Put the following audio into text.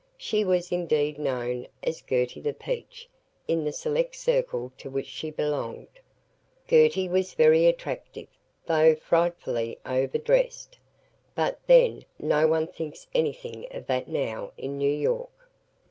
She was indeed known as "Gertie the Peach" in the select circle to which she belonged. Gertie was very attractive, though frightfully over dressed. But, then, no one thinks anything of that now, in New York.